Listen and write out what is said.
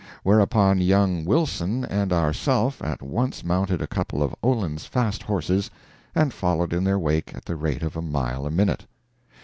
Whereupon young Wilson and ourself at once mounted a couple of Olin's fast horses and followed in their wake at the rate of a mile a minute.